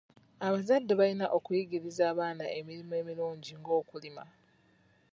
Abazadde balina okuyigiriza abaana emirimu emirungi ng'okulima.